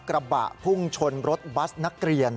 กระบะพุ่งชนรถบัสนักเรียน